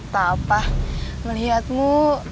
gak apa apa melihatmu